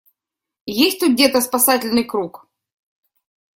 Есть тут где-то спасательный круг?